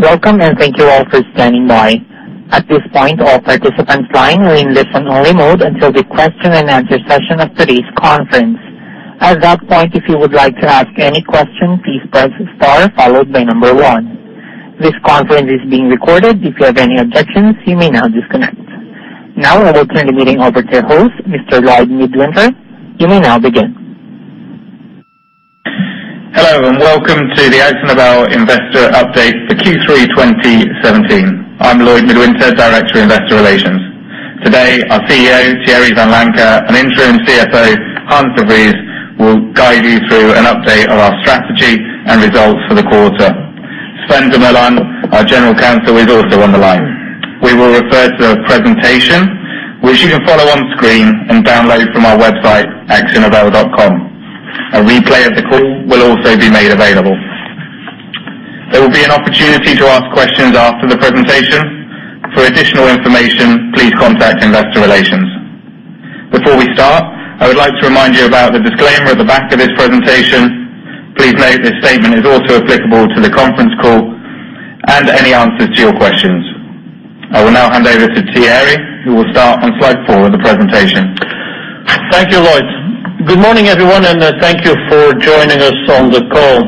Welcome, and thank you all for standing by. At this point, all participants dialing will be in listen only mode until the question and answer session of today's conference. At that point, if you would like to ask any question, please press star followed by number one. This conference is being recorded. If you have any objections, you may now disconnect. Now I will turn the meeting over to your host, Mr. Lloyd Midwinter. You may now begin. Hello, and welcome to the Akzo Nobel Investor Update for Q3 2017. I'm Lloyd Midwinter, Director of Investor Relations. Today, our CEO, Thierry Vanlancker, and Interim CFO, Hans De Vriese, will guide you through an update on our strategy and results for the quarter. Sven Dumoulin, our General Counsel, is also on the line. We will refer to a presentation which you can follow on screen and download from our website, akzonobel.com. A replay of the call will also be made available. There will be an opportunity to ask questions after the presentation. For additional information, please contact Investor Relations. Before we start, I would like to remind you about the disclaimer at the back of this presentation. Please note this statement is also applicable to the conference call and any answers to your questions. I will now hand over to Thierry, who will start on slide four of the presentation. Thank you, Lloyd. Good morning, everyone, and thank you for joining us on the call.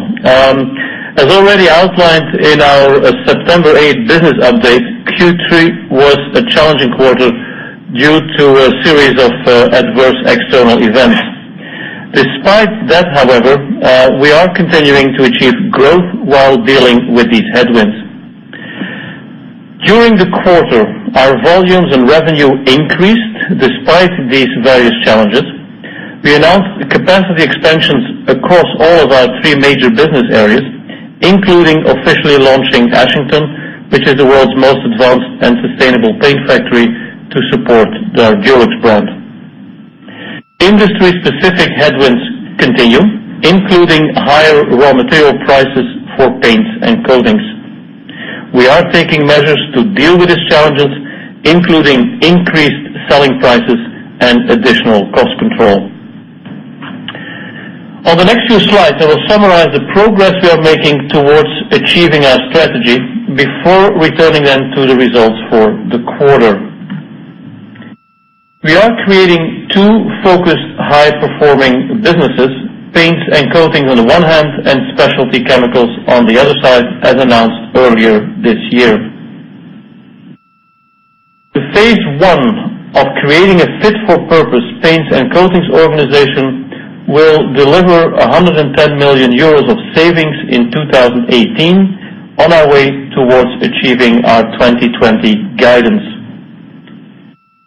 As already outlined in our September eighth business update, Q3 was a challenging quarter due to a series of adverse external events. Despite that, however, we are continuing to achieve growth while dealing with these headwinds. During the quarter, our volumes and revenue increased despite these various challenges. We announced capacity expansions across all of our three major business areas, including officially launching Ashington, which is the world's most advanced and sustainable paint factory to support the Dulux brand. Industry specific headwinds continue, including higher raw material prices for paints and coatings. We are taking measures to deal with these challenges, including increased selling prices and additional cost control. On the next few slides, I will summarize the progress we are making towards achieving our strategy before returning then to the results for the quarter. We are creating two focused, high-performing businesses, paints and coatings on the one hand, and Specialty Chemicals on the other side, as announced earlier this year. The phase one of creating a fit for purpose paints and coatings organization will deliver 110 million euros of savings in 2018 on our way towards achieving our 2020 guidance.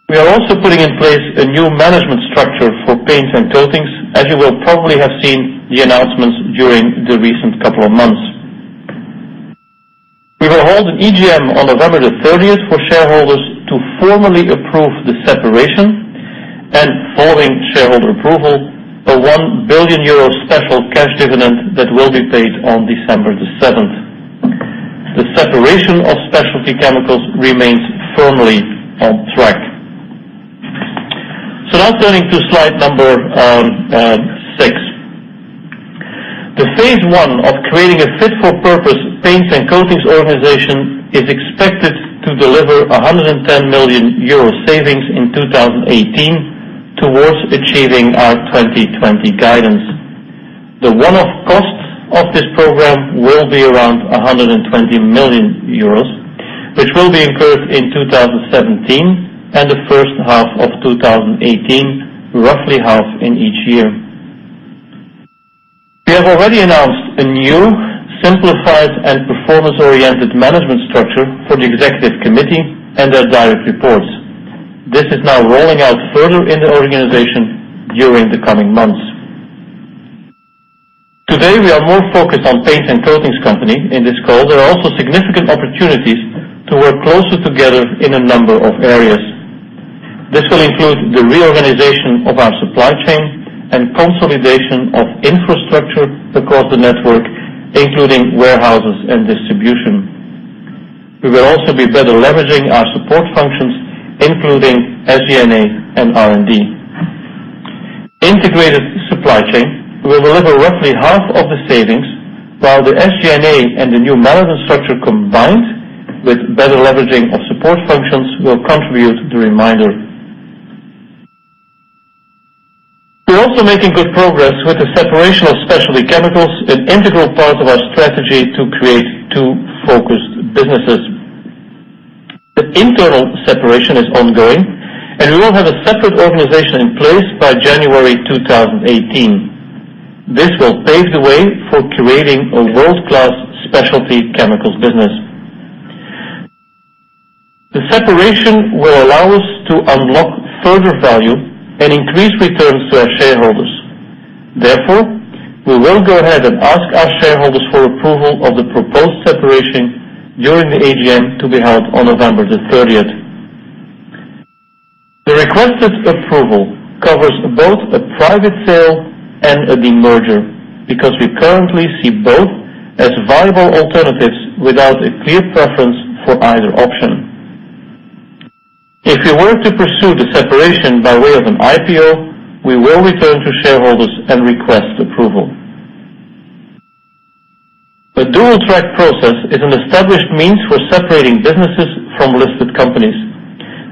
We are also putting in place a new management structure for paints and coatings, as you will probably have seen the announcements during the recent couple of months. We will hold an EGM on November 30th for shareholders to formally approve the separation, and following shareholder approval, a 1 billion euro special cash dividend that will be paid on December 7th. The separation of Specialty Chemicals remains firmly on track. Now turning to slide number six. The phase one of creating a fit for purpose paints and coatings organization is expected to deliver 110 million euro savings in 2018 towards achieving our 2020 guidance. The one-off costs of this program will be around 120 million euros, which will be incurred in 2017 and the first half of 2018, roughly half in each year. We have already announced a new, simplified, and performance-oriented management structure for the executive committee and their direct reports. This is now rolling out further in the organization during the coming months. Today, we are more focused on paints and coatings company. In this call, there are also significant opportunities to work closer together in a number of areas. This will include the reorganization of our supply chain and consolidation of infrastructure across the network, including warehouses and distribution. We will also be better leveraging our support functions, including SG&A and R&D. Integrated supply chain will deliver roughly half of the savings, while the SG&A and the new management structure combined with better leveraging of support functions will contribute to the remainder. We are also making good progress with the separation of Specialty Chemicals, an integral part of our strategy to create two focused businesses. The internal separation is ongoing, and we will have a separate organization in place by January 2018. This will pave the way for creating a world-class Specialty Chemicals business. The separation will allow us to unlock further value and increase returns to our shareholders. Therefore, we will go ahead and ask our shareholders for approval of the proposed separation during the EGM to be held on November 30th. The requested approval covers both a private sale and a demerger, because we currently see both as viable alternatives without a clear preference for either option. If we were to pursue the separation by way of an IPO, we will return to shareholders and request approval. A dual-track process is an established means for separating businesses from listed companies.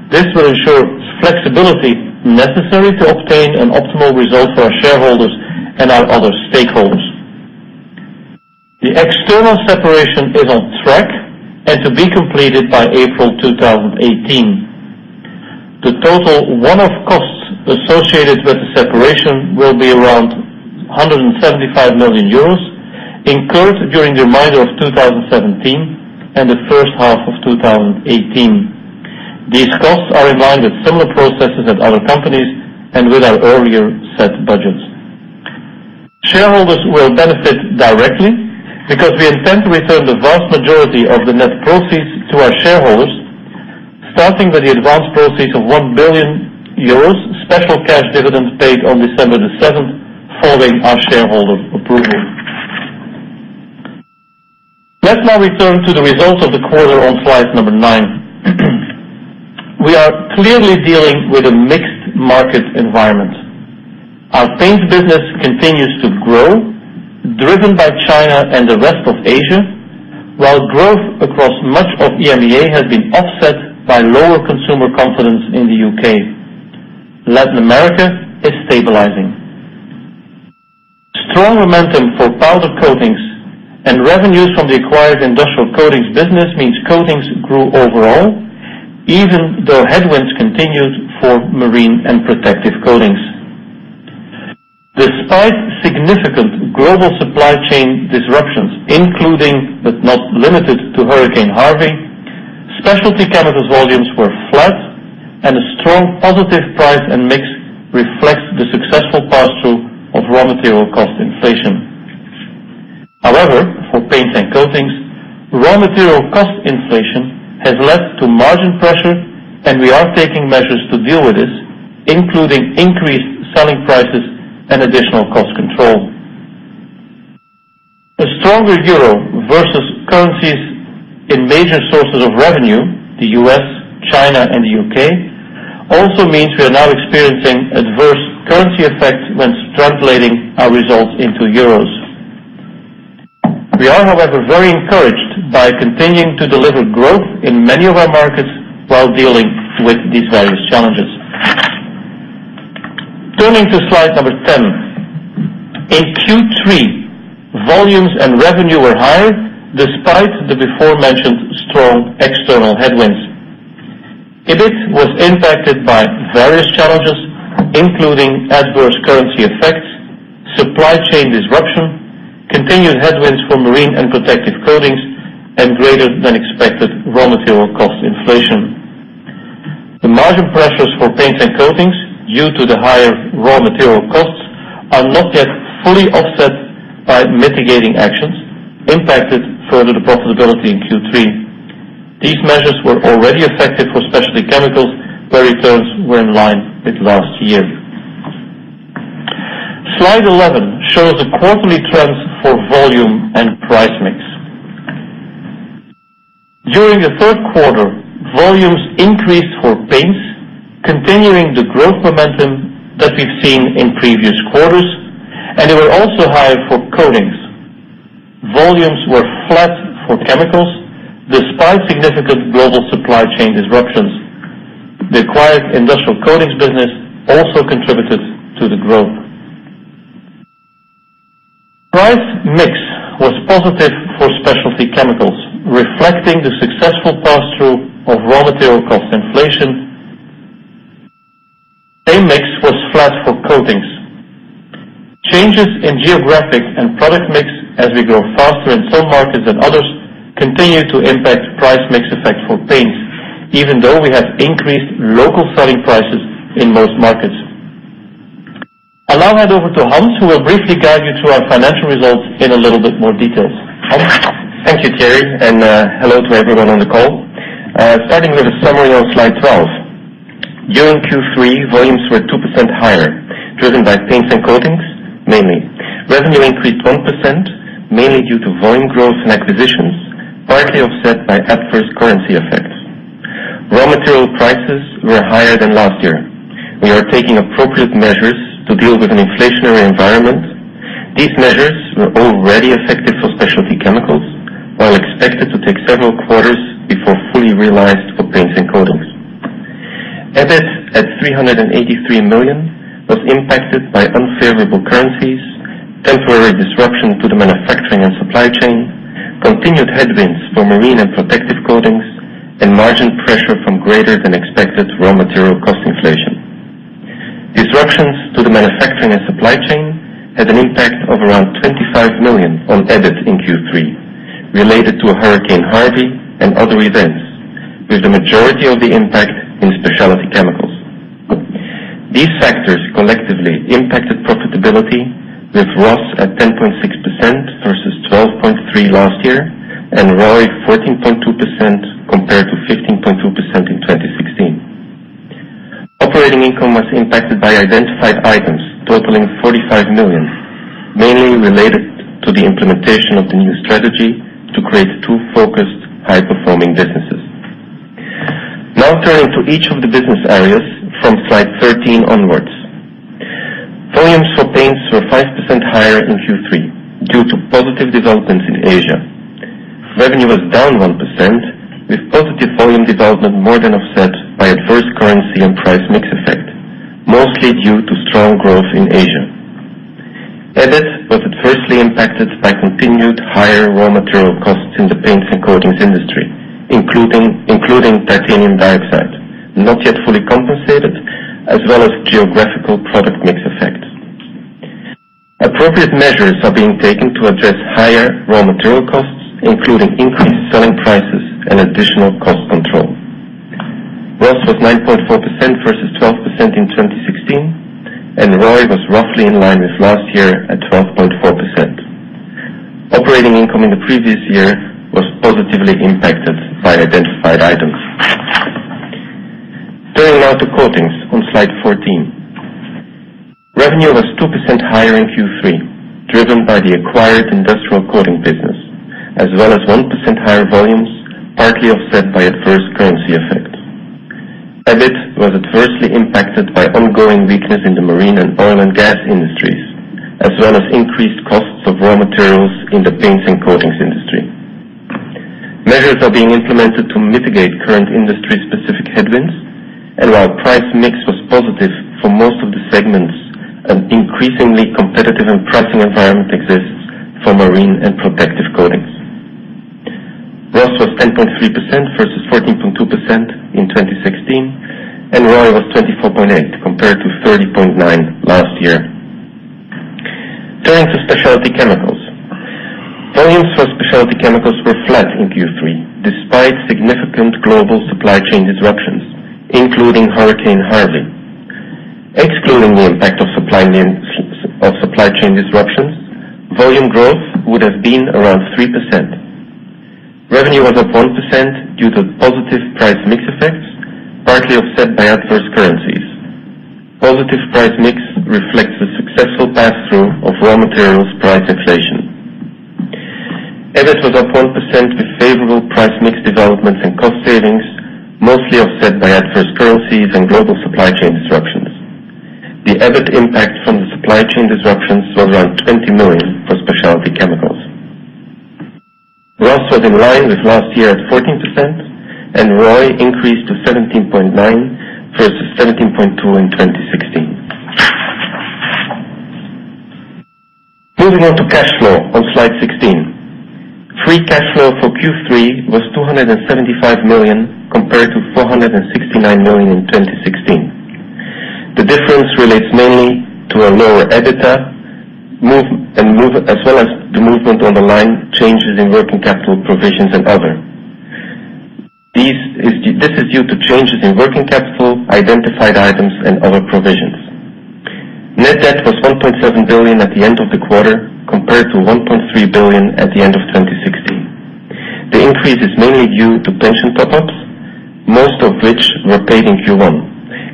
This will ensure flexibility necessary to obtain an optimal result for our shareholders and our other stakeholders. The external separation is on track and to be completed by April 2018. The total one-off costs associated with the separation will be around 175 million euros, incurred during the remainder of 2017 and the first half of 2018. These costs are in line with similar processes at other companies and with our earlier set budgets. Shareholders will benefit directly because we intend to return the vast majority of the net proceeds to our shareholders, starting with the advanced proceeds of 1 billion euros, special cash dividends paid on December 7th, following our shareholder approval. Let's now return to the results of the quarter on slide number nine. We are clearly dealing with a mixed market environment. Our paints business continues to grow, driven by China and the rest of Asia, while growth across much of EMEA has been offset by lower consumer confidence in the U.K. Latin America is stabilizing. Strong momentum for powder coatings and revenues from the acquired industrial coatings business means coatings grew overall, even though headwinds continued for marine and protective coatings. Despite significant global supply chain disruptions, including but not limited to Hurricane Harvey, specialty chemicals volumes were flat and a strong positive price and mix reflects the successful pass-through of raw material cost inflation. However, for paints and coatings, raw material cost inflation has led to margin pressure, and we are taking measures to deal with this, including increased selling prices and additional cost control. A stronger euro versus currencies in major sources of revenue, the U.S., China, and the U.K., also means we are now experiencing adverse currency effects when translating our results into euros. We are, however, very encouraged by continuing to deliver growth in many of our markets while dealing with these various challenges. Turning to slide 10. In Q3, volumes and revenue were higher despite the before-mentioned strong external headwinds. EBIT was impacted by various challenges, including adverse currency effects, supply chain disruption, continued headwinds for marine and protective coatings, and greater than expected raw material cost inflation. The margin pressures for paints and coatings due to the higher raw material costs are not yet fully offset by mitigating actions impacted further the profitability in Q3. These measures were already effective for specialty chemicals, where returns were in line with last year. Slide 11 shows the quarterly trends for volume and price mix. During the third quarter, volumes increased for paints, continuing the growth momentum that we've seen in previous quarters, and they were also high for coatings. Volumes were flat for chemicals, despite significant global supply chain disruptions. The acquired industrial coatings business also contributed to the growth. Price mix was positive for specialty chemicals, reflecting the successful pass-through of raw material cost inflation. A mix was flat for coatings. Changes in geographic and product mix as we grow faster in some markets than others continue to impact price mix effect for paints, even though we have increased local selling prices in most markets. I'll now hand over to Hans, who will briefly guide you through our financial results in a little bit more detail. Hans? Thank you, Thierry, and hello to everyone on the call. Starting with a summary on slide 12. During Q3, volumes were 2% higher, driven by paints and coatings, mainly. Revenue increased 1%, mainly due to volume growth and acquisitions, partly offset by adverse currency effects. Raw material prices were higher than last year. We are taking appropriate measures to deal with an inflationary environment. These measures were already effective for specialty chemicals, while expected to take several quarters before fully realized for paints and coatings. EBIT at 383 million was impacted by unfavorable currencies, temporary disruption to the manufacturing and supply chain, continued headwinds for marine and protective coatings, and margin pressure from greater than expected raw material cost inflation. Disruptions to the manufacturing and supply chain had an impact of around 25 million on EBIT in Q3, related to Hurricane Harvey and other events, with the majority of the impact in Specialty Chemicals. These factors collectively impacted profitability with ROS at 10.6% versus 12.3% last year, and ROI 14.2% compared to 15.2% in 2016. Operating income was impacted by identified items totaling 45 million, mainly related to the implementation of the new strategy to create two focused, high-performing businesses. Turning to each of the business areas from slide 13 onwards. Volumes for paints were 5% higher in Q3 due to positive developments in Asia. Revenue was down 1%, with positive volume development more than offset by adverse currency and price mix effect, mostly due to strong growth in Asia. EBIT was adversely impacted by continued higher raw material costs in the paints and coatings industry, including titanium dioxide, not yet fully compensated, as well as geographical product mix effect. Appropriate measures are being taken to address higher raw material costs, including increased selling prices and additional cost control. ROS was 9.4% versus 12% in 2016, and ROI was roughly in line with last year at 12.4%. Operating income in the previous year was positively impacted by identified items. Turning to Coatings on slide 14. Revenue was 2% higher in Q3, driven by the acquired industrial coating business, as well as 1% higher volumes, partly offset by adverse currency effect. EBIT was adversely impacted by ongoing weakness in the marine and oil and gas industries, as well as increased costs of raw materials in the paints and coatings industry. Measures are being implemented to mitigate current industry-specific headwinds, while price mix was positive for most of the segments, an increasingly competitive and pricing environment exists for marine and protective coatings. ROS was 10.3% versus 14.2% in 2016, and ROI was 24.8% compared to 30.9% last year. Turning to Specialty Chemicals. Volumes for Specialty Chemicals were flat in Q3, despite significant global supply chain disruptions, including Hurricane Harvey. Excluding the impact of supply chain disruptions, volume growth would have been around 3%. Revenue was up 1% due to positive price mix effects, partly offset by adverse currencies. Positive price mix reflects the successful pass-through of raw materials price inflation. EBIT was up 1% with favorable price mix developments and cost savings, mostly offset by adverse currencies and global supply chain disruptions. The EBIT impact from the supply chain disruptions was around 20 million for Specialty Chemicals. ROS was in line with last year at 14%. ROI increased to 17.9% versus 17.2% in 2016. Moving on to cash flow on slide 16. Free cash flow for Q3 was 275 million compared to 469 million in 2016. The difference relates mainly to a lower EBITDA, as well as the movement on the line changes in working capital provisions and other. This is due to changes in working capital, identified items and other provisions. Net debt was 1.7 billion at the end of the quarter compared to 1.3 billion at the end of 2016. The increase is mainly due to pension top-ups, most of which were paid in Q1,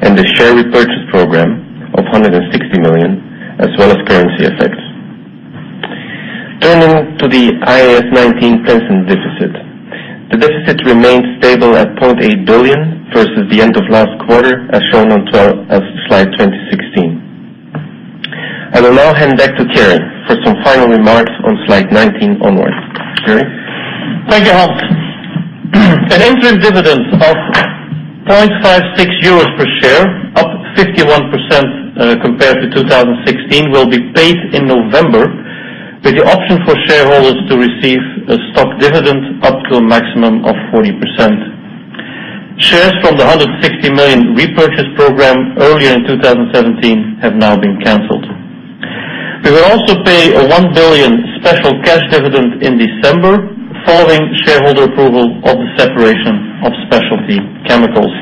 and the share repurchase program of 160 million as well as currency effects. Turning to the IAS 19 pension deficit. The deficit remains stable at 0.8 billion versus the end of last quarter, as shown on slide 2016. I will now hand back to Thierry Vanlancker for some final remarks on slide 19 onwards. Thierry Vanlancker? Thank you, Hans De Vriese. An interim dividend of 0.56 euros per share, up 51% compared to 2016, will be paid in November, with the option for shareholders to receive a stock dividend up to a maximum of 40%. Shares from the 160 million repurchase program earlier in 2017 have now been canceled. We will also pay a 1 billion special cash dividend in December following shareholder approval of the separation of Specialty Chemicals.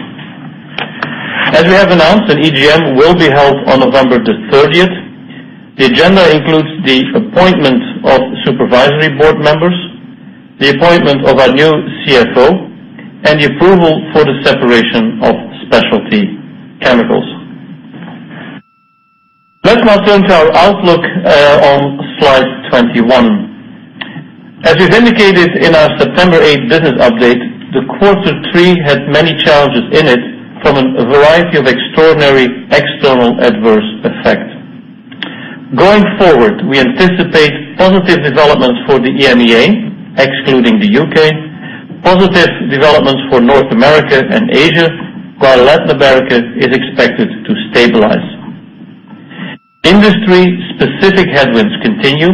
As we have announced, an EGM will be held on November the 30th. The agenda includes the appointment of supervisory board members, the appointment of our new CFO, and the approval for the separation of Specialty Chemicals. Let's now turn to our outlook on slide 21. As we've indicated in our September 8th business update, the quarter three had many challenges in it from a variety of extraordinary external adverse effects. Going forward, we anticipate positive developments for the EMEA, excluding the U.K., positive developments for North America and Asia, while Latin America is expected to stabilize. Industry-specific headwinds continue,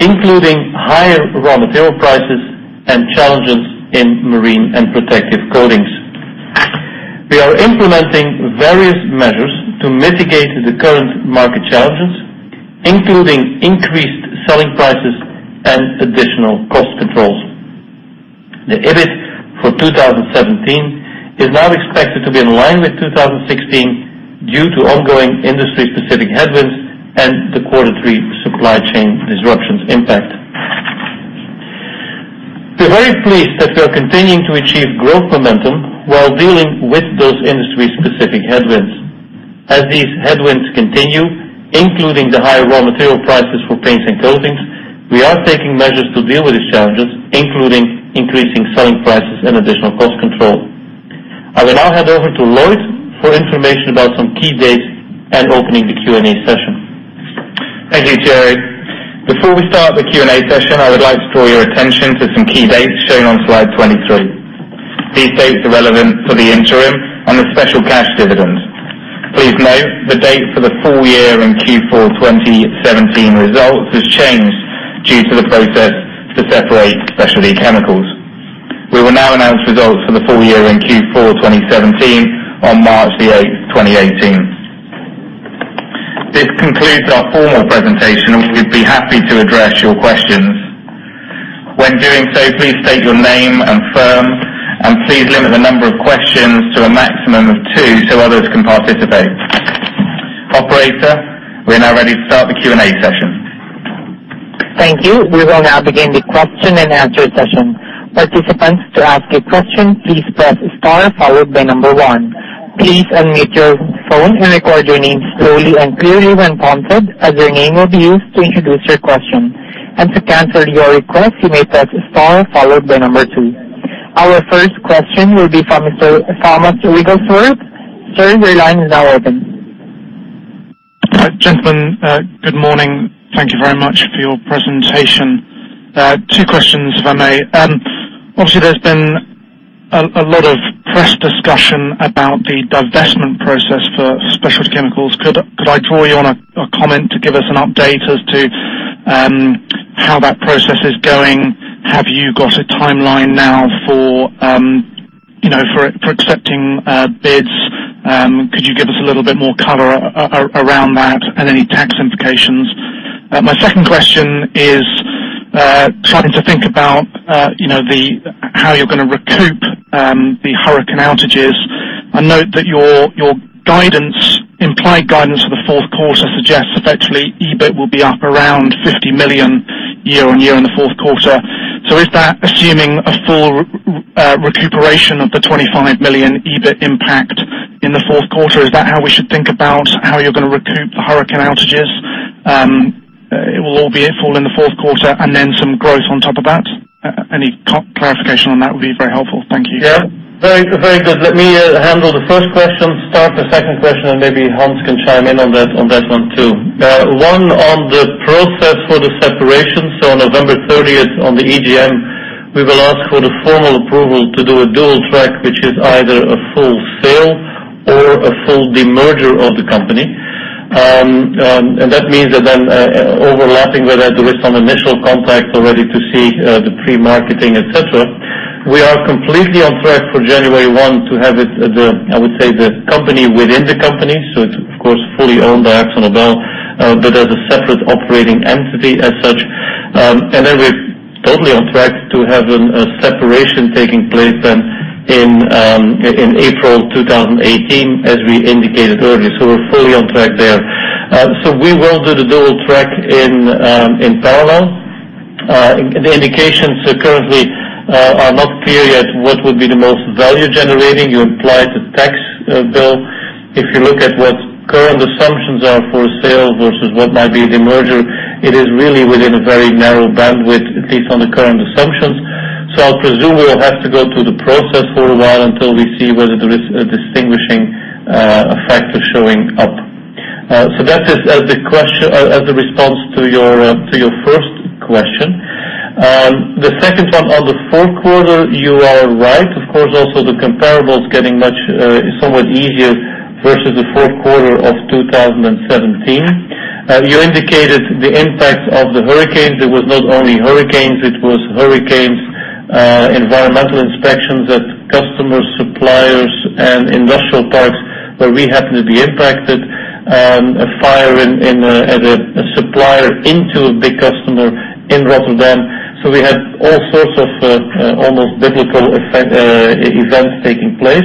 including higher raw material prices and challenges in marine and protective coatings. We are implementing various measures to mitigate the current market challenges, including increased selling prices and additional cost controls. The EBIT for 2017 is now expected to be in line with 2016 due to ongoing industry-specific headwinds and the quarter three supply chain disruptions impact. We're very pleased that we are continuing to achieve growth momentum while dealing with those industry specific headwinds. As these headwinds continue, including the higher raw material prices for paints and coatings, we are taking measures to deal with these challenges, including increasing selling prices and additional cost control. I will now hand over to Lloyd Midwinter for information about some key dates and opening the Q&A session. Thank you, Thierry. Before we start the Q&A session, I would like to draw your attention to some key dates shown on slide 23. These dates are relevant for the interim and the special cash dividend. Please note, the date for the full year and Q4 2017 results has changed due to the process to separate Specialty Chemicals. We will now announce results for the full year in Q4 2017 on March 8, 2018. This concludes our formal presentation. We'd be happy to address your questions. When doing so, please state your name and firm, and please limit the number of questions to a maximum of two so others can participate. Operator, we are now ready to start the Q&A session. Thank you. We will now begin the question-and-answer session. Participants, to ask a question, please press star followed by number one. Please unmute your phone and record your name slowly and clearly when prompted, as your name will be used to introduce your question. To cancel your request, you may press star followed by number two. Our first question will be from Mr. Tom Wrigglesworth. Sir, your line is now open. Gentlemen, good morning. Thank you very much for your presentation. Two questions, if I may. Obviously, there's been a lot of press discussion about the divestment process for Specialty Chemicals. Could I draw you on a comment to give us an update as to how that process is going? Have you got a timeline now for accepting bids? Could you give us a little bit more color around that and any tax implications? My second question is, starting to think about how you're going to recoup the hurricane outages. I note that your implied guidance for the fourth quarter suggests effectively EBIT will be up around 50 million year-on-year in the fourth quarter. Is that assuming a full recuperation of the 25 million EBIT impact in the fourth quarter? Is that how we should think about how you're going to recoup the hurricane outages? It will all fall in the fourth quarter, then some growth on top of that. Any clarification on that would be very helpful. Thank you. Yeah. Very good. Let me handle the first question, start the second question, and maybe Hans can chime in on that one, too. One, on the process for the separation. On November 30th, on the EGM, we will ask for the formal approval to do a dual track, which is either a full sale or a full demerger of the company. That means that then overlapping with that, there is some initial contacts already to see the pre-marketing, et cetera. We are completely on track for January 1 to have it, I would say the company within the company. It's of course, fully owned by Akzo Nobel, but as a separate operating entity as such. Then we're totally on track to have a separation taking place in April 2018 as we indicated earlier. We're fully on track there. We will do the dual track in parallel. The indications currently are not clear yet what would be the most value generating. You implied the tax bill. If you look at what current assumptions are for sale versus what might be the merger, it is really within a very narrow bandwidth, at least on the current assumptions. I'll presume we'll have to go through the process for a while until we see whether there is a distinguishing factor showing up. That is as a response to your first question. The second one on the fourth quarter, you are right. Of course, also the comparables getting somewhat easier versus the fourth quarter of 2017. You indicated the impact of the hurricanes. It was not only hurricanes, it was hurricanes, environmental inspections at customer suppliers and industrial parks where we happen to be impacted. A fire at a supplier into a big customer in Rotterdam. We had all sorts of almost biblical events taking place.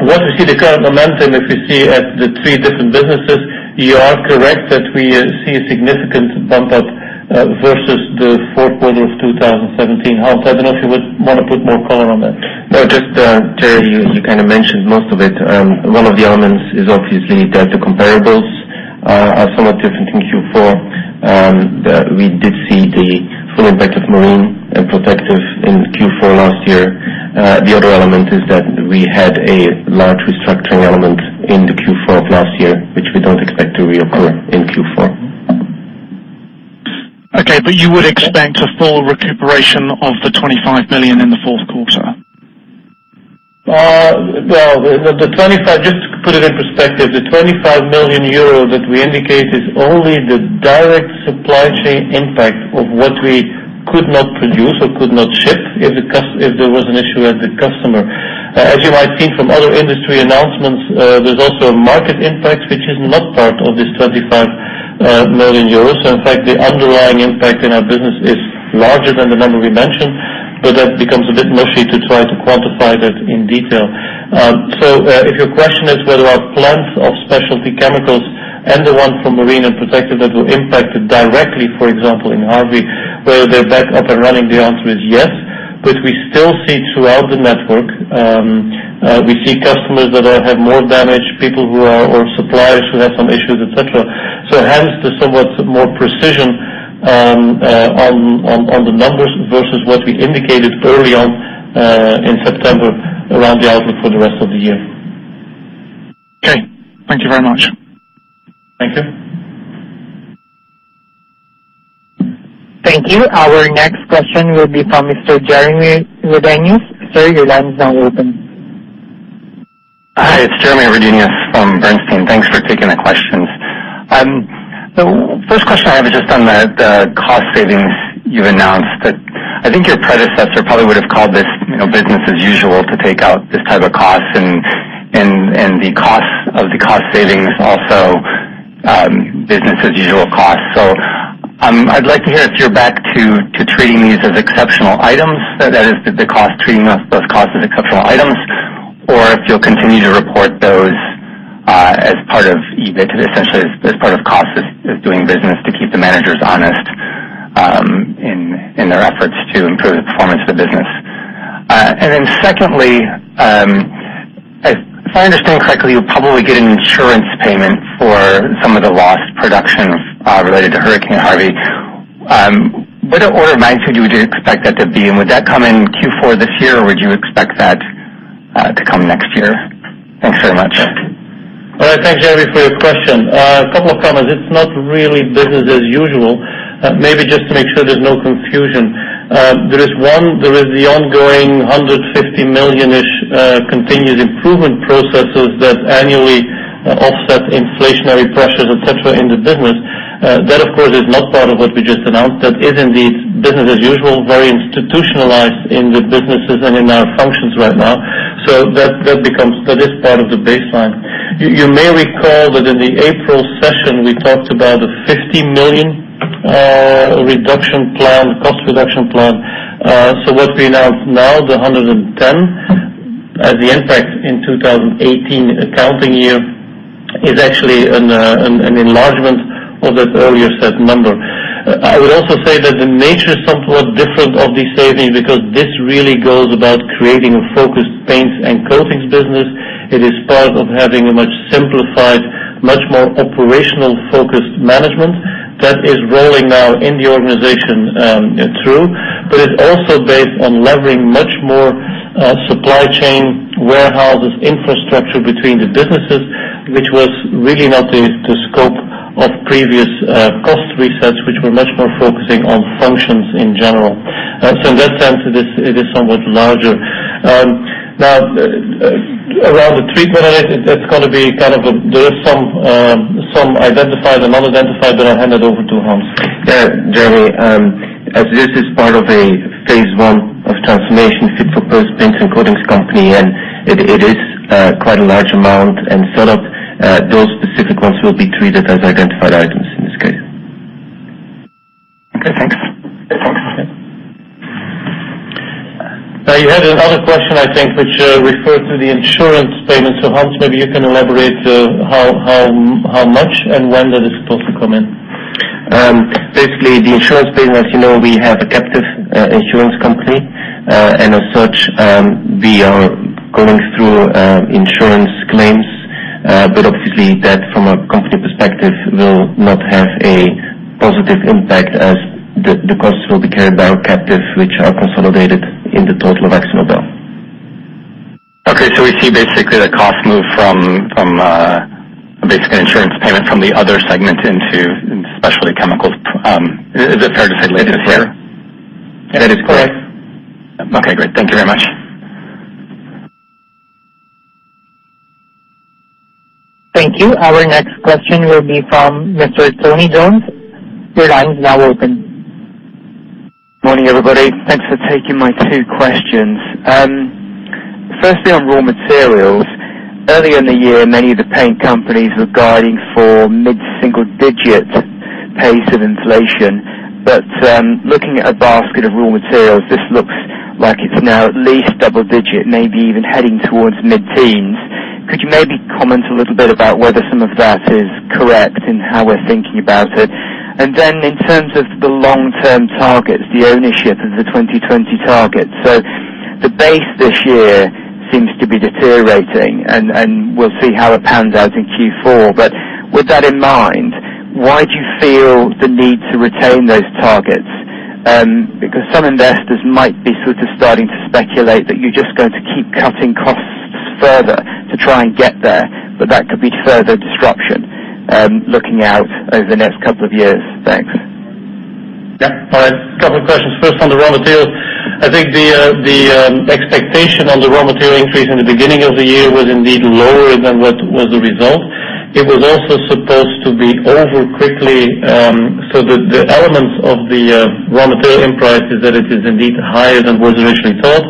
Once you see the current momentum, if you see at the three different businesses, you are correct that we see a significant bump up versus the fourth quarter of 2017. Hans, I don't know if you would want to put more color on that. No, Thierry, you kind of mentioned most of it. One of the elements is obviously that the comparables are somewhat different in Q4. We did see the full impact of marine and protective in Q4 last year. The other element is that we had a large restructuring element in the Q4 of last year, which we don't expect to reoccur in Q4. Okay. You would expect a full recuperation of the 25 million in the fourth quarter? Well, just to put it in perspective, the 25 million euro that we indicate is only the direct supply chain impact of what we could not produce or could not ship if there was an issue at the customer. As you might see from other industry announcements, there's also a market impact, which is not part of this 25 million euros. In fact, the underlying impact in our business is larger than the number we mentioned, but that becomes a bit mushy to try to quantify that in detail. If your question is whether our plans of specialty chemicals And the one from Marine and Protective that were impacted directly, for example, in Harvey, whether they're back up and running, the answer is yes. We still see throughout the network, we see customers that have more damage, people or suppliers who have some issues, et cetera. Hence, the somewhat more precision on the numbers versus what we indicated early on in September around the outlook for the rest of the year. Okay. Thank you very much. Thank you. Thank you. Our next question will be from Mr. Jeremy Redenius. Sir, your line is now open. Hi, it's Jeremy Redenius from Bernstein. Thanks for taking the questions. The first question I have is just on the cost savings you announced. I think your predecessor probably would have called this business as usual to take out this type of cost and the cost of the cost savings also business as usual cost. I'd like to hear if you're back to treating these as exceptional items, that is treating those costs as exceptional items, or if you'll continue to report those essentially as part of cost of doing business to keep the managers honest in their efforts to improve the performance of the business. Secondly, if I understand correctly, you'll probably get an insurance payment for some of the lost production related to Hurricane Harvey. What order of magnitude would you expect that to be? Would that come in Q4 this year, or would you expect that to come next year? Thanks very much. All right. Thanks, Jeremy, for your question. A couple of comments. It is not really business as usual. Maybe just to make sure there is no confusion. There is the ongoing 150 million-ish continuous improvement processes that annually offset inflationary pressures, et cetera, in the business. That, of course, is not part of what we just announced. That is indeed business as usual, very institutionalized in the businesses and in our functions right now. That is part of the baseline. You may recall that in the April session, we talked about a 50 million cost reduction plan. What we announced now, the 110, the impact in 2018 accounting year, is actually an enlargement of that earlier said number. I would also say that the nature is somewhat different of these savings because this really goes about creating a focused paints and coatings business. It is part of having a much simplified, much more operational focused management that is rolling now in the organization through. It is also based on levering much more supply chain warehouses infrastructure between the businesses, which was really not the scope of previous cost resets, which were much more focusing on functions in general. In that sense, it is somewhat larger. Now, around the treatment of it, there is some identified and unidentified that I handed over to Hans. Yeah, Jeremy, as this is part of a phase 1 of transformation fit for purpose paints and coatings company, and it is quite a large amount and set up, those specific ones will be treated as identified items in this case. Okay, thanks. You had another question, I think, which referred to the insurance payment. Hans, maybe you can elaborate how much and when that is supposed to come in. Basically, the insurance payment, as you know, we have a captive insurance company. As such, we are going through insurance claims. Obviously that from a company perspective will not have a positive impact as the costs will be carried by our captive, which are consolidated in the total of Akzo Nobel. Okay, we see basically the cost move from a basically insurance payment from the other segment into specialty chemicals. Is it fair to say later this year? That is correct. Okay, great. Thank you very much. Thank you. Our next question will be from Mr. Tony Jones. Your line is now open. Morning, everybody. Thanks for taking my two questions. Firstly, on raw materials. Earlier in the year, many of the paint companies were guiding for mid-single digit pace of inflation. Looking at a basket of raw materials, this looks like it's now at least double digit, maybe even heading towards mid-teens. Could you maybe comment a little bit about whether some of that is correct and how we're thinking about it? In terms of the long-term targets, the ownership of the 2020 targets. The base this year seems to be deteriorating, and we'll see how it pans out in Q4. With that in mind, why do you feel the need to retain those targets? Some investors might be sort of starting to speculate that you're just going to keep cutting costs further to try and get there, but that could be further disruption looking out over the next couple of years. Thanks. Yeah. All right. A couple of questions. First on the raw materials. I think the expectation on the raw material increase in the beginning of the year was indeed lower than what was the result. It was also supposed to be over quickly. The elements of the raw material increase is that it is indeed higher than was originally thought.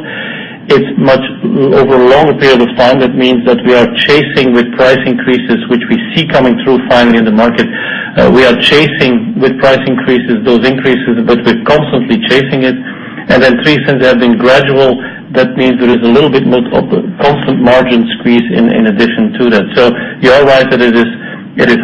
Over a longer period of time, that means that we are chasing with price increases, which we see coming through finally in the market. We are chasing with price increases those increases, but we're constantly chasing it. 3, since they have been gradual, that means there is a little bit more of a constant margin squeeze in addition to that. You are right that it is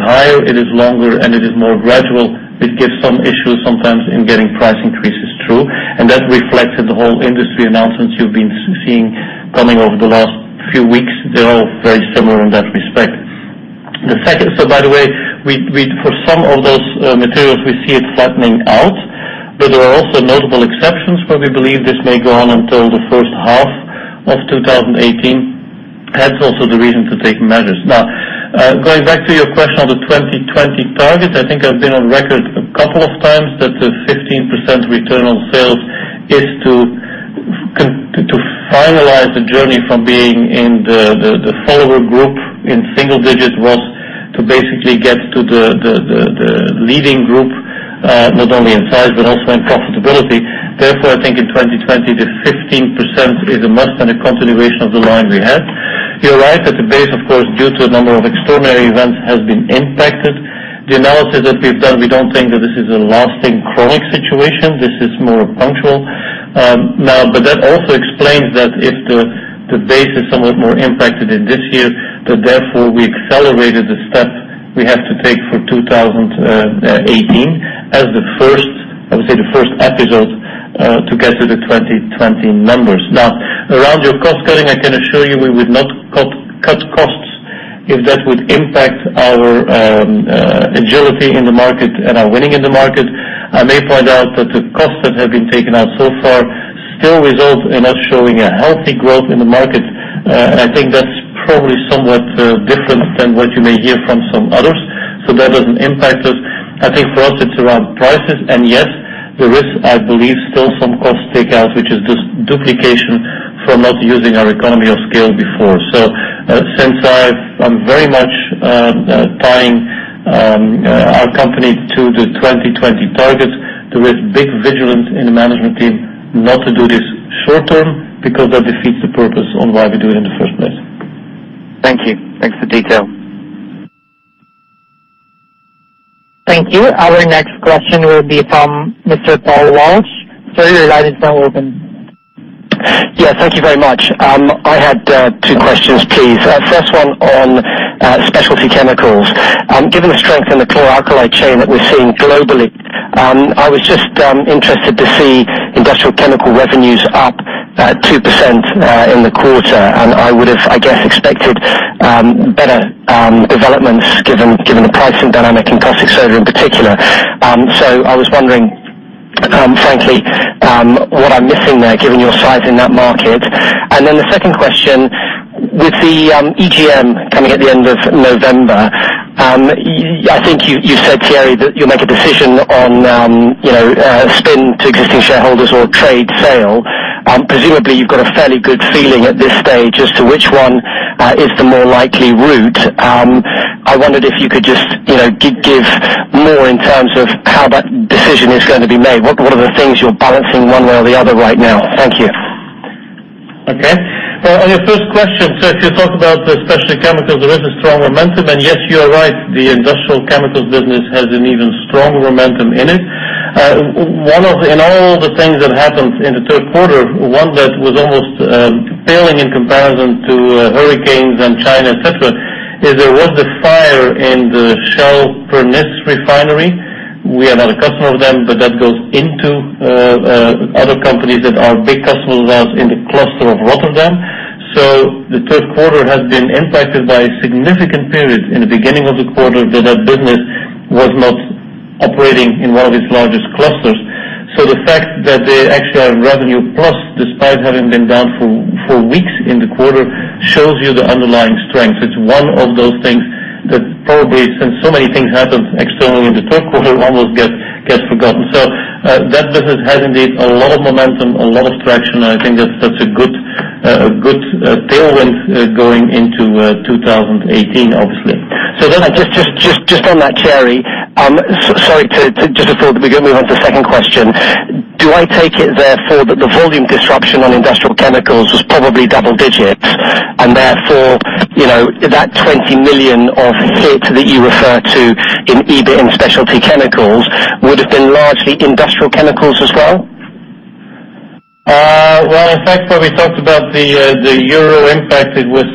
higher, it is longer, and it is more gradual, which gives some issues sometimes in getting price increases through. That reflected the whole industry announcements you've been seeing coming over the last few weeks. They're all very similar in that respect. By the way, for some of those materials, we see it flattening out. There are also notable exceptions where we believe this may go on until the first half of 2018. Hence, also the reason to take measures. Now, going back to your question on the 2020 target, I think I've been on record a couple of times that the 15% ROS is to finalize the journey from being in the follower group in single digit growth to basically get to the leading group, not only in size but also in profitability. Therefore, I think in 2020, the 15% is a must and a continuation of the line we had. You're right that the base, of course, due to a number of extraordinary events, has been impacted. The analysis that we've done, we don't think that this is a lasting chronic situation. This is more punctual. That also explains that if the base is somewhat more impacted in this year, that therefore, we accelerated the step we have to take for 2018 as the first episode to get to the 2020 numbers. Now around your cost cutting, I can assure you we would not cut costs if that would impact our agility in the market and our winning in the market. I may point out that the costs that have been taken out so far still result in us showing a healthy growth in the market. I think that's probably somewhat different than what you may hear from some others. That doesn't impact us. I think for us it's around prices. Yes, there is, I believe, still some cost takeout, which is just duplication for not using our economy of scale before. Since I'm very much tying our company to the 2020 target, there is big vigilance in the management team not to do this short term because that defeats the purpose on why we do it in the first place. Thank you. Thanks for detail. Thank you. Our next question will be from Mr. Paul Lee. Sir, your line is now open. Yes. Thank you very much. I had two questions, please. First one on specialty chemicals. Given the strength in the chloralkali chain that we're seeing globally, I was just interested to see industrial chemical revenues up 2% in the quarter, and I would have, I guess, expected better developments given the pricing dynamic in caustic soda in particular. I was wondering, frankly, what I'm missing there, given your size in that market. The second question, with the EGM coming at the end of November, I think you said, Thierry, that you'll make a decision on spin to existing shareholders or trade sale. Presumably, you've got a fairly good feeling at this stage as to which one is the more likely route. I wondered if you could just give more in terms of how that decision is going to be made. What are the things you're balancing one way or the other right now? Thank you. Okay. On your first question, if you talk about the specialty chemicals, there is a strong momentum. Yes, you are right, the industrial chemicals business has an even stronger momentum in it. In all the things that happened in the third quarter, one that was almost pale in comparison to hurricanes and China, et cetera, is there was the fire in the Shell Pernis refinery. We are not a customer of them, that goes into other companies that are big customers of ours in the cluster of Rotterdam. The third quarter has been impacted by a significant period in the beginning of the quarter that our business was not operating in one of its largest clusters. The fact that they actually are revenue plus, despite having been down for weeks in the quarter, shows you the underlying strength. It's one of those things that probably, since so many things happened externally in the third quarter, almost gets forgotten. That business has indeed a lot of momentum, a lot of traction, and I think that's such a good tailwind going into 2018, obviously. Just on that, Thierry. Sorry, just before we go and move on to the second question. Do I take it therefore that the volume disruption on industrial chemicals was probably double digits and therefore, that 20 million of hit that you refer to in EBIT in specialty chemicals would have been largely industrial chemicals as well? Well, in fact, when we talked about the euro impacted with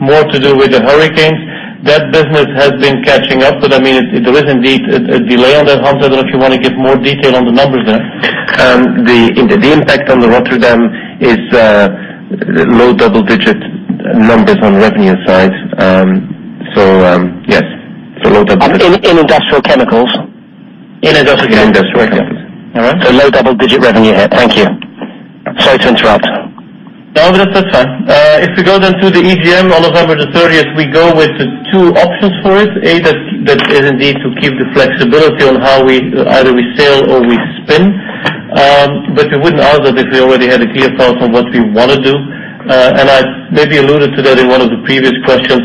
more to do with the hurricanes, that business has been catching up. I mean, there is indeed a delay on that. Hans, I don't know if you want to give more detail on the numbers there. The impact on the Rotterdam is low double-digit numbers on the revenue side. Yes, so low double digits. In industrial chemicals? In industrial chemicals. In industrial chemicals. All right. Low double-digit revenue here. Thank you. Sorry to interrupt. No, that's fine. If we go to the EGM on November the 30th, we go with the two options for it. A, that is indeed to keep the flexibility on how either we sell or we spin. It wouldn't argue that if we already had a clear thought on what we want to do. I maybe alluded to that in one of the previous questions.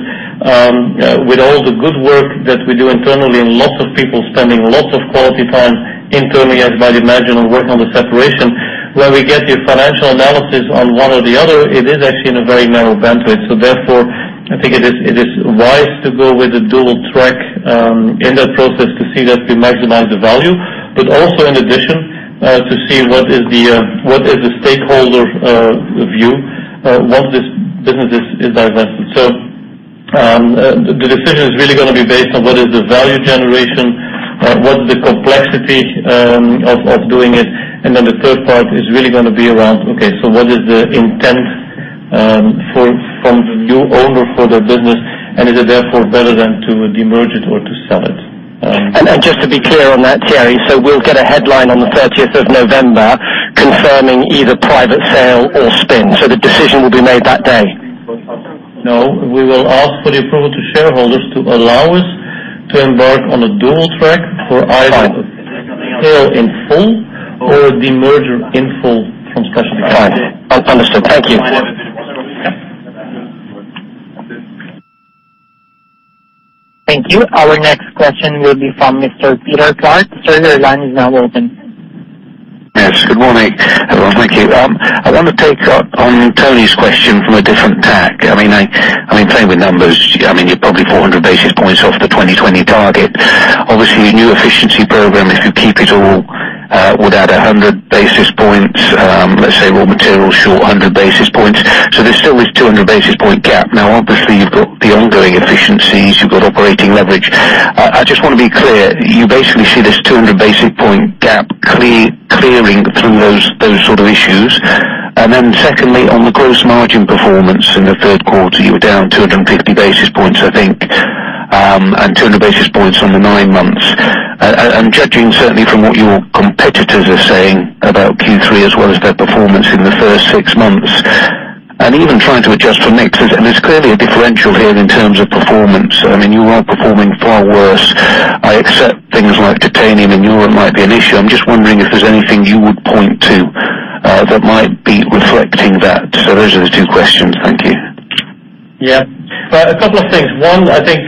With all the good work that we do internally and lots of people spending lots of quality time internally, as you might imagine, on working on the separation, when we get the financial analysis on one or the other, it is actually in a very narrow bandwidth. Therefore, I think it is wise to go with a dual track in that process to see that we maximize the value, but also in addition, to see what is the stakeholder view. Once this business is divested. The decision is really going to be based on what is the value generation, what is the complexity of doing it. The third part is really going to be around, okay, what is the intent from the new owner for their business, and is it therefore better than to de-merge it or to sell it? Just to be clear on that, Thierry. We'll get a headline on the 30th of November confirming either private sale or spin. The decision will be made that day. No. We will ask for the approval to shareholders to allow us to embark on a dual track for either- Fine. -sale in full or de-merger in full from Specialty Chemicals. Fine. Understood. Thank you. Thank you. Our next question will be from Mr. Peter Clark. Sir, your line is now open. Yes, good morning, everyone. Thank you. I want to pick up on Tony's question from a different tack. Playing with numbers, you're probably 400 basis points off the 2020 target. Obviously, a new efficiency program, if you keep it all, would add 100 basis points. Let's say raw material is short, 100 basis points. There's still this 200 basis point gap. Obviously you've got the ongoing efficiencies, you've got operating leverage. I just want to be clear. You basically see this 200 basis point gap clearing through those sort of issues. Secondly, on the gross margin performance in the third quarter, you were down 250 basis points, I think, and 200 basis points on the nine months. Judging certainly from what your competitors are saying about Q3 as well as their performance in the first six months, and even trying to adjust for mix, there's clearly a differential here in terms of performance. You are performing far worse. I accept things like titanium in Europe might be an issue. I'm just wondering if there's anything you would point to that might be reflecting that. Those are the two questions. Thank you. A couple of things. One, I think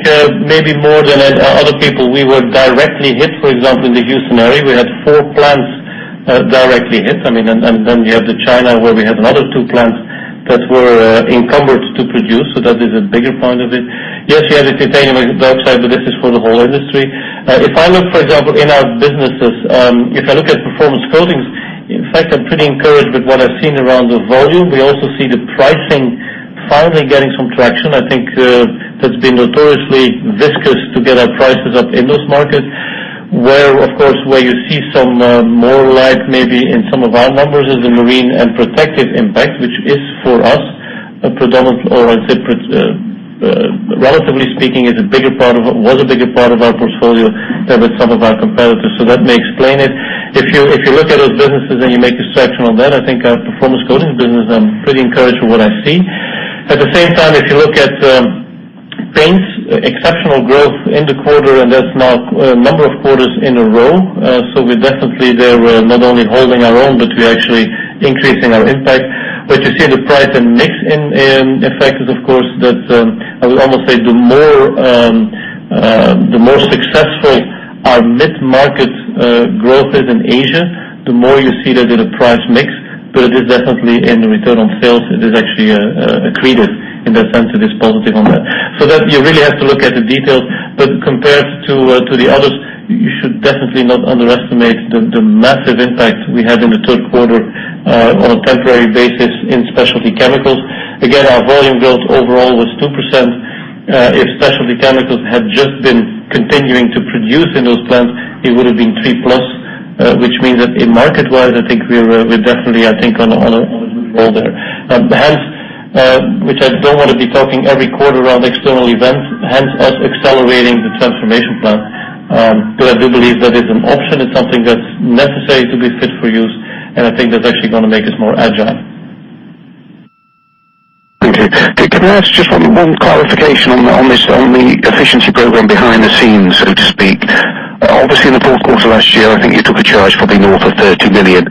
maybe more than other people, we were directly hit. For example, in the Houston area, we had four plants directly hit. You have China, where we have another two plants that were encumbered to produce. That is a bigger part of it. Yes, you have the titanium dioxide, but this is for the whole industry. If I look, for example, in our businesses, if I look at Performance Coatings, in fact, I'm pretty encouraged with what I've seen around the volume. We also see the pricing finally getting some traction. I think that's been notoriously vicious to get our prices up in those markets. Where you see some more light maybe in some of our numbers is the marine and protective impact, which is for us, relatively speaking, was a bigger part of our portfolio than with some of our competitors. That may explain it. If you look at those businesses and you make a section on that, I think our Performance Coatings business, I'm pretty encouraged with what I see. At the same time, if you look at paints, exceptional growth in the quarter, and that's now a number of quarters in a row. We're definitely there. We're not only holding our own, but we're actually increasing our impact. You see the price and mix in effect is, of course I would almost say the more successful our mid-market growth is in Asia, the more you see that in the price mix. It is definitely in return on sales, it is actually accretive. In that sense, it is positive on that. That you really have to look at the details, but compared to the others, you should definitely not underestimate the massive impact we had in the third quarter on a temporary basis in Specialty Chemicals. Again, our volume growth overall was 2%. If Specialty Chemicals had just been continuing to produce in those plants, it would have been three plus, which means that in market-wise, I think we're definitely on a good roll there. Which I don't want to be talking every quarter around external events, hence us accelerating the transformation plan, but I do believe that is an option. It's something that's necessary to be fit for use, and I think that's actually going to make us more agile. Thank you. Can I ask just one clarification on the efficiency program behind the scenes, so to speak? Obviously, in the fourth quarter last year, I think you took a charge probably north of 30 million.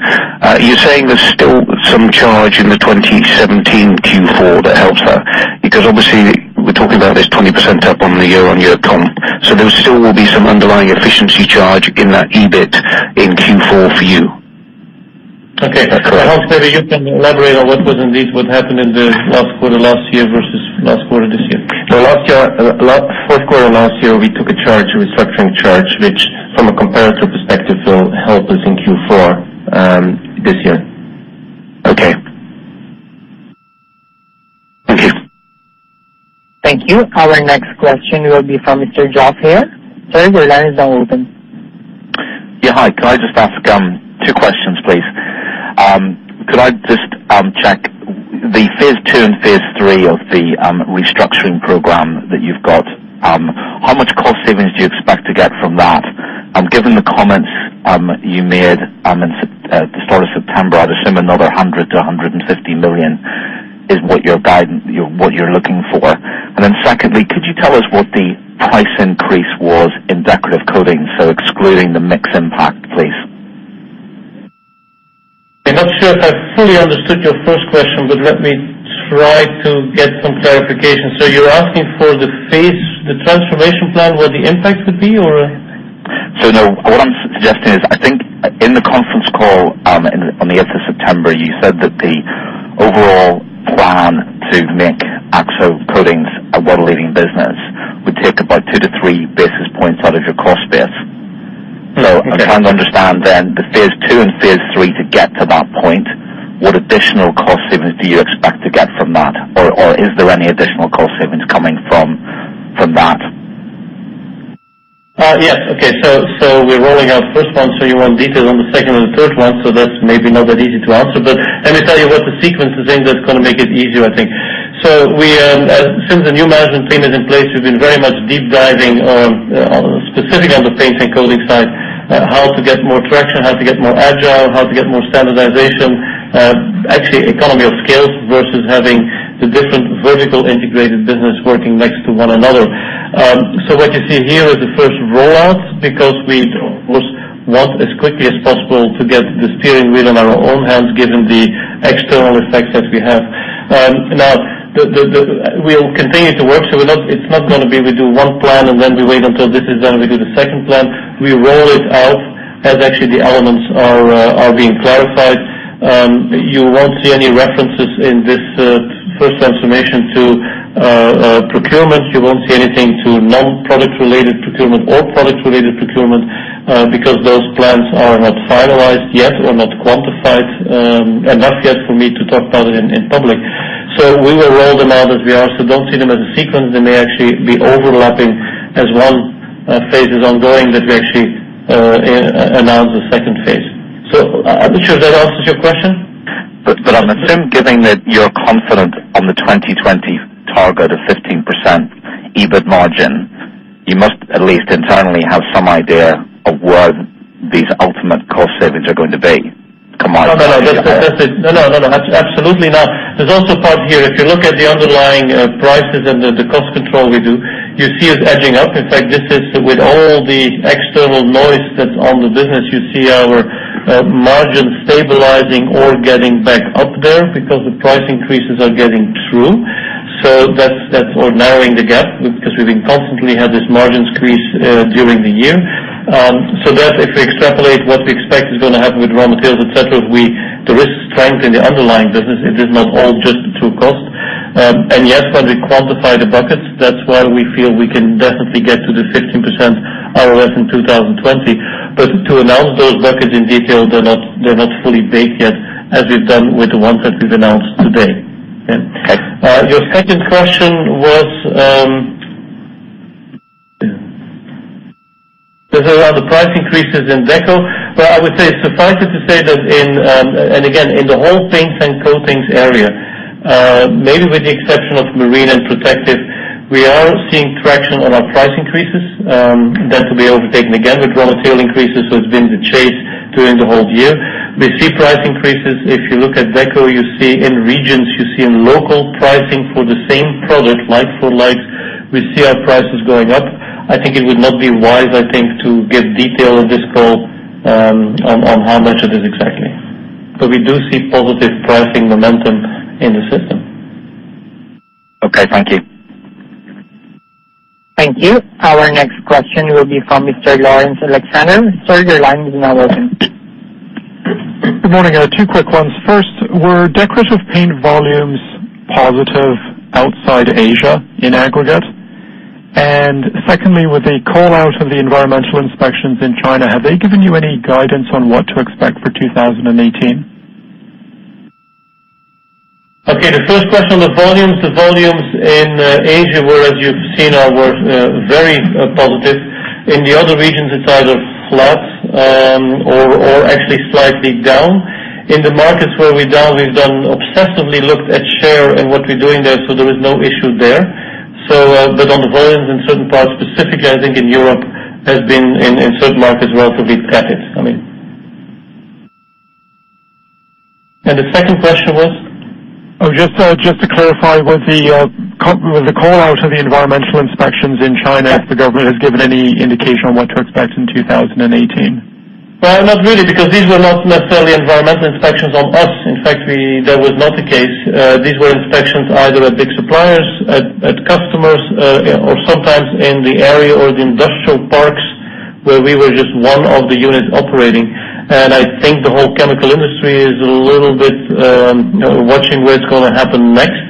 You're saying there's still some charge in the 2017 Q4 that helps that? Because obviously we're talking about this 20% up on the year-on-year comp. There still will be some underlying efficiency charge in that EBIT in Q4 for you? Okay. Peter, you can elaborate on what was indeed what happened in the last quarter last year versus last quarter this year. Fourth quarter last year, we took a charge, a restructuring charge, which from a comparative perspective, will help us in Q4 this year. Okay. Thank you. Thank you. Our next question will be from Mr. Geoff Haire. Sir, your line is now open. Yeah. Hi. Can I just ask two questions, please? Could I just check the phase II and phase III of the restructuring program that you've got. How much cost savings do you expect to get from that? Given the comments you made at the start of September, I'd assume another 100 million-150 million is what you're looking for. Secondly, could you tell us what the price increase was in Decorative Paints? Excluding the mix impact, please. I'm not sure if I fully understood your first question, let me try to get some clarification. You're asking for the transformation plan, what the impact would be? No. What I'm suggesting is, I think in the conference call on the 8th of September, you said that the overall plan to make AkzoNobel Coatings a world-leading business would take about two to three basis points out of your cost base. I'm trying to understand then the phase 2 and phase 3 to get to that point, what additional cost savings do you expect to get from that? Or is there any additional cost savings coming from that? Yes. Okay. We're rolling out first one, so you want details on the second or the third one, so that's maybe not that easy to answer. Let me tell you what the sequence is in that's going to make it easier, I think. Since the new management team is in place, we've been very much deep diving on, specific on the paint and coating side, how to get more traction, how to get more agile, how to get more standardization. Actually, economy of scale versus having the different vertical integrated business working next to one another. What you see here is the first rollout because we want, as quickly as possible, to get the steering wheel in our own hands, given the external effects that we have. Now, we'll continue to work, so it's not going to be we do one plan and then we wait until this is done and we do the second plan. We roll it out as actually the elements are being clarified. You won't see any references in this first transformation to procurement. You won't see anything to non-product related procurement or product related procurement, because those plans are not finalized yet or not quantified enough yet for me to talk about it in public. We will roll them out as we are. Don't see them as a sequence. They may actually be overlapping as one phase is ongoing that we actually announce the second phase. I'm not sure if that answers your question. I assume, given that you're confident on the 2020 target of 15% EBIT margin, you must at least internally have some idea of what these ultimate cost savings are going to be, combined- No. Absolutely not. There's also a part here, if you look at the underlying prices and the cost control we do, you see us edging up. In fact, this is with all the external noise that's on the business. You see our margins stabilizing or getting back up there because the price increases are getting through. That's or narrowing the gap because we've constantly had this margins squeeze during the year. That if we extrapolate what we expect is going to happen with raw materials, et cetera, there is strength in the underlying business. It is not all just through cost. Yes, when we quantify the buckets, that's why we feel we can definitely get to the 15% ROS in 2020. To announce those buckets in detail, they're not fully baked yet as we've done with the ones that we've announced today. Okay. Your second question was about the price increases in Deco. I would say, suffice it to say that in and again, in the whole paints and coatings area, maybe with the exception of marine and protective, we are seeing traction on our price increases. That will be overtaken again with raw material increases, so it's been the chase during the whole year. We see price increases. If you look at Deco, you see in regions, you see in local pricing for the same product, like for like, we see our prices going up. I think it would not be wise to give detail on this call on how much it is exactly. We do see positive pricing momentum in the system. Okay. Thank you. Thank you. Our next question will be from Mr. Laurence Alexander. Sir, your line is now open. Good morning. I have two quick ones. First, were Decorative Paints volumes positive outside Asia in aggregate? Secondly, with the call out of the environmental inspections in China, have they given you any guidance on what to expect for 2018? Okay, the first question on the volumes. The volumes in Asia were, as you've seen, are very positive. In the other regions, it's either flat or actually slightly down. In the markets where we're down, we've done obsessively looked at share and what we're doing there, so there is no issue there. On the volumes in certain parts, specifically, I think in Europe, has been in certain markets relatively static. The second question was? Oh, just to clarify, with the call out of the environmental inspections in China, if the government has given any indication on what to expect in 2018. Not really, because these were not necessarily environmental inspections on us. In fact, that was not the case. These were inspections either at big suppliers, at customers, or sometimes in the area or the industrial parks where we were just one of the units operating. I think the whole chemical industry is a little bit watching where it's going to happen next.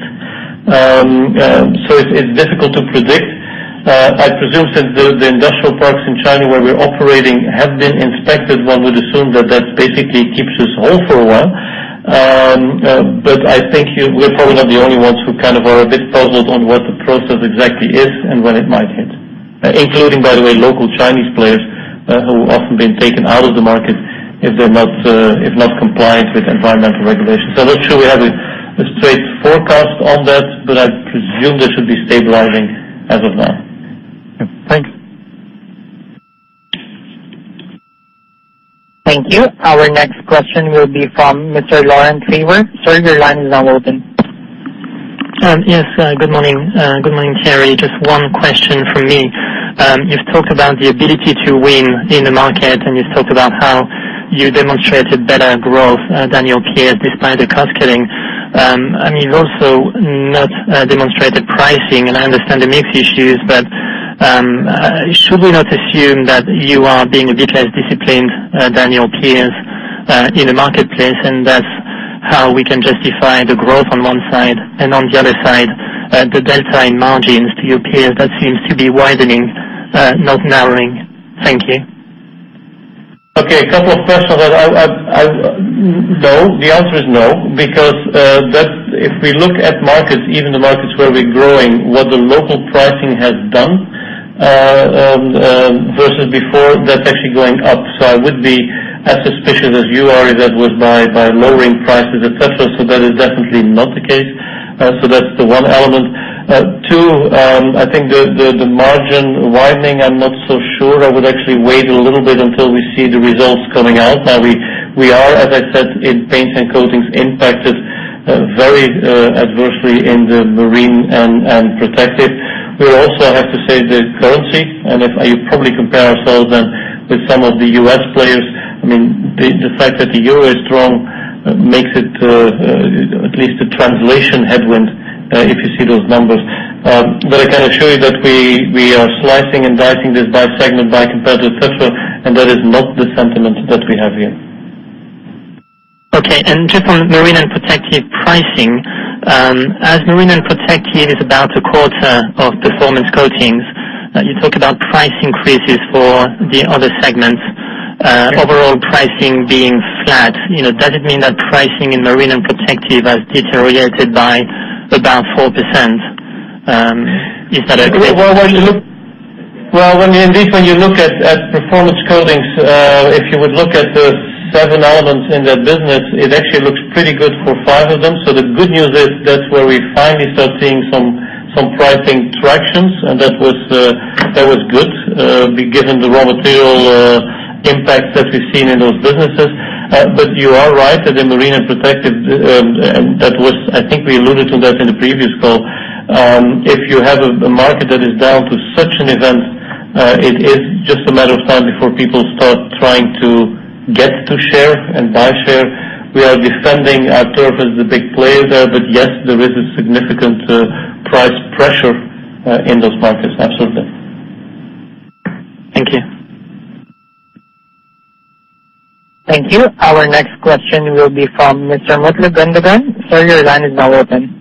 It's difficult to predict. I presume since the industrial parks in China where we're operating have been inspected, one would assume that basically keeps us whole for a while. I think we're probably not the only ones who kind of are a bit puzzled on what the process exactly is and when it might hit. Including, by the way, local Chinese players who often been taken out of the market if they're not compliant with environmental regulations. not sure we have a straight forecast on that, but I presume this should be stabilizing as of now. Thank you. Thank you. Our next question will be from Mr. Laurent Favre. Sir, your line is now open. Yes. Good morning. Good morning, Thierry. Just one question from me. You've talked about the ability to win in the market, and you've talked about how you demonstrated better growth than your peers despite the cost-cutting. You've also not demonstrated pricing, and I understand the mix issues, but should we not assume that you are being a bit less disciplined than your peers in the marketplace, and that's how we can justify the growth on one side, and on the other side, the delta in margins to U.K. that seems to be widening, not narrowing. Thank you. Okay. A couple of questions. No, the answer is no, because if we look at markets, even the markets where we're growing, what the local pricing has done versus before, that's actually going up. I would be as suspicious as you are if that was by lowering prices, et cetera. That is definitely not the case. That's the one element. Two, I think the margin widening, I'm not so sure. I would actually wait a little bit until we see the results coming out. We are, as I said, in paints and coatings impacted very adversely in the marine and protective. We also have to say the currency, and if you probably compare ourselves then with some of the U.S. players, the fact that the EUR is strong makes it at least a translation headwind if you see those numbers. I can assure you that we are slicing and dicing this by segment, by competitor, et cetera, and that is not the sentiment that we have here. Okay. Just on marine and protective pricing, as marine and protective is about a quarter of Performance Coatings, you talk about price increases for the other segments. Overall pricing being flat. Does it mean that pricing in marine and protective has deteriorated by about 4%? Is that a take? Indeed, when you look at Performance Coatings, if you would look at the seven elements in that business, it actually looks pretty good for five of them. The good news is that's where we finally start seeing some pricing tractions, and that was good, given the raw material impacts that we've seen in those businesses. You are right that in marine and protective, I think we alluded to that in the previous call. If you have a market that is down to such an event, it is just a matter of time before people start trying to get to share and buy share. We are defending our turf as the big player there. Yes, there is a significant price pressure in those markets, absolutely. Thank you. Thank you. Our next question will be from Mr. Mutlu Gundogan. Sir, your line is now open.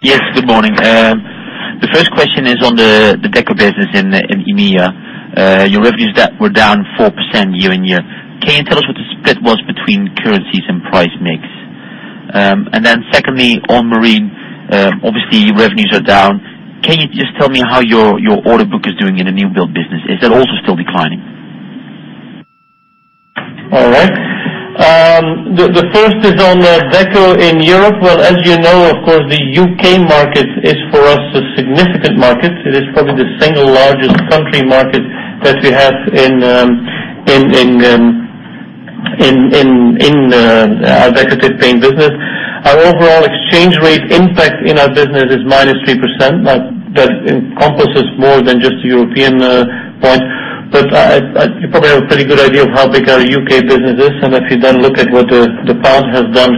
Yes, good morning. The first question is on the Deco business in EMEA. Your revenues that were down 4% year-on-year. Can you tell us what the split was between currencies and price mix? Secondly, on marine, obviously revenues are down. Can you just tell me how your order book is doing in the new build business? Is that also still declining? All right. The first is on Deco in Europe. Well, as you know, of course, the U.K. market is, for us, a significant market. It is probably the single largest country market that we have in our Decorative Paints business. Our overall exchange rate impact in our business is -3%, that encompasses more than just the European point. You probably have a pretty good idea of how big our U.K. business is, and if you then look at what the pound has done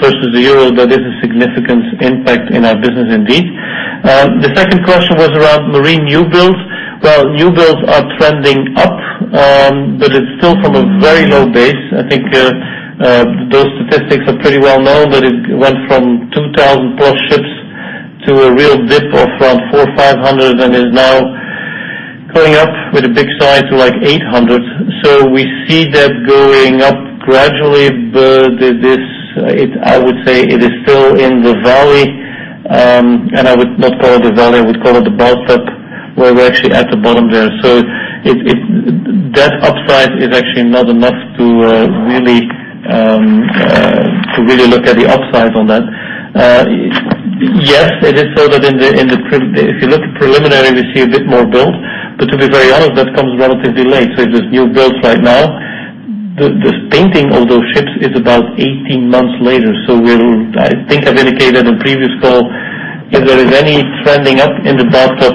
versus the euro, that is a significant impact in our business indeed. The second question was around marine new builds. Well, new builds are trending up, but it's still from a very low base. I think those statistics are pretty well known, that it went from 2,000 plus ships to a real dip of around 400 or 500, and is now coming up with a big sigh to 800. We see that going up gradually. I would say it is still in the valley, and I would not call it a valley, I would call it a bathtub, where we're actually at the bottom there. That upside is actually not enough to really look at the upside on that. Yes, it is so that if you look preliminarily, we see a bit more build. To be very honest, that comes relatively late. If there's new builds right now, the painting of those ships is about 18 months later. I think I've indicated in a previous call, if there is any trending up in the bathtub,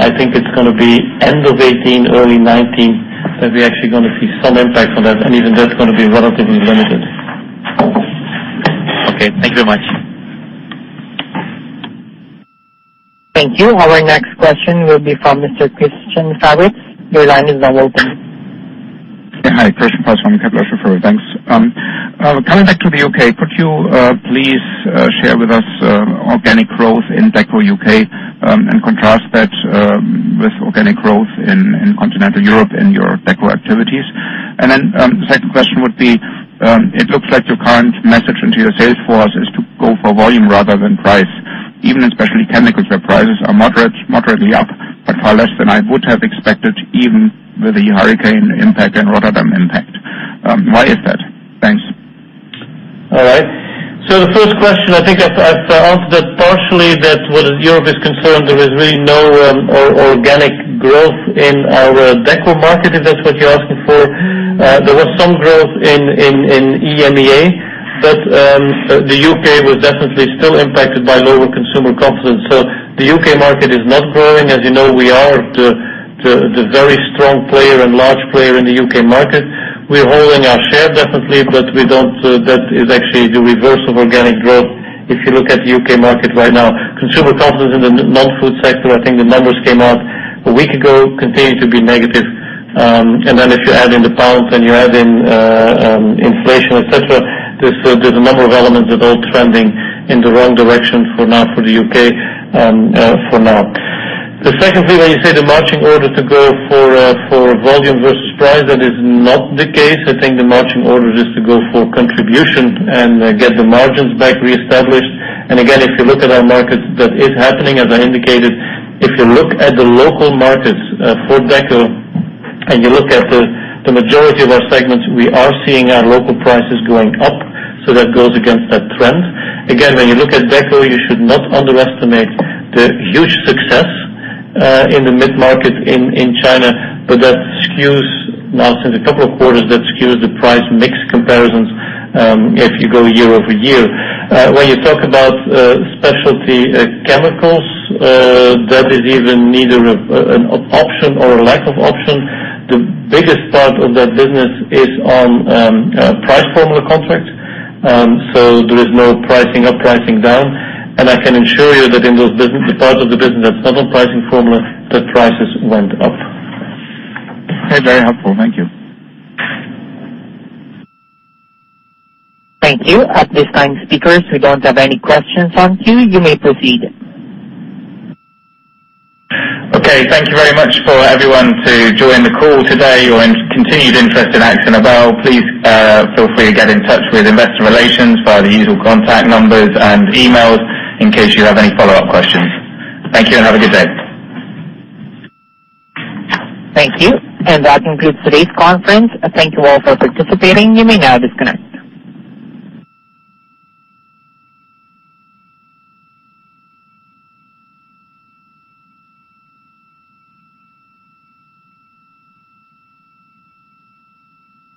I think it's going to be end of 2018, early 2019, that we're actually going to see some impact on that, even that's going to be relatively limited. Okay. Thank you very much. Thank you. Our next question will be from Mr. Christian Faitz. Your line is now open. Hi. Christian Faitz from Kepler Cheuvreux. Thanks. Coming back to the U.K., could you please share with us organic growth in Deco U.K. and contrast that with organic growth in continental Europe in your Deco activities? The second question would be, it looks like your current message into your sales force is to go for volume rather than price, even especialty chemical prices are moderately up, but far less than I would have expected, even with the hurricane impact and Rotterdam impact. Why is that? Thanks. All right. The first question, I think I've answered that partially, that where Europe is concerned, there is really no organic growth in our Deco market, if that's what you're asking for. There was some growth in EMEA, but the U.K. was definitely still impacted by lower consumer confidence. The U.K. market is not growing. As you know, we are the very strong player and large player in the U.K. market. We are holding our share definitely, but that is actually the reverse of organic growth if you look at the U.K. market right now. Consumer confidence in the non-food sector, I think the numbers came out a week ago, continue to be negative. If you add in the pound and you add in inflation, et cetera, there's a number of elements that are all trending in the wrong direction for now for the U.K. for now. The second thing, when you say the marching order to go for volume versus price, that is not the case. I think the marching order is to go for contribution and get the margins back reestablished. Again, if you look at our markets, that is happening, as I indicated. If you look at the local markets for Deco and you look at the majority of our segments, we are seeing our local prices going up. That goes against that trend. Again, when you look at Deco, you should not underestimate the huge success in the mid-market in China. Now since a couple of quarters, that skews the price mix comparisons if you go year-over-year. When you talk about specialty chemicals, that is even neither an option or a lack of option. The biggest part of that business is on price formula contracts. There is no pricing up, pricing down. I can assure you that in those parts of the business that's not on pricing formula, the prices went up. Okay. Very helpful. Thank you. Thank you. At this time, speakers, we don't have any questions in queue. You may proceed. Okay. Thank you very much for everyone who joined the call today or continued interest in Akzo Nobel. Please feel free to get in touch with investor relations via the usual contact numbers and emails in case you have any follow-up questions. Thank you, and have a good day. Thank you. That concludes today's conference. Thank you all for participating. You may now disconnect.